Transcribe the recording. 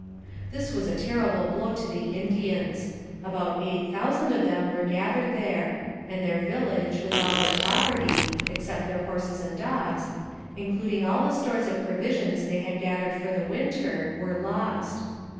This was a terrible blow to the Indians. About eight thousand of them were gathered there, and their AMONG THE SIOUX INDIANS. 261 village, with all their property (except their horses and dogs), including all the stores of provisions they had gathered for the winter, were lost.